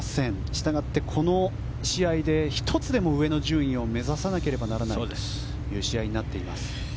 したがって、この試合で１つでも上の順位を目指さなければならない試合となっています。